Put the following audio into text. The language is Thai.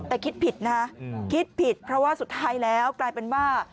แต่คิดผิดนะคิดผิดเพราะว่าสุดท้ายแล้วกลายเป็นว่า